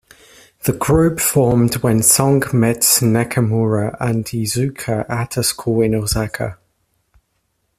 The group formed when Song met Nakamura and Iizuka at a school in Osaka.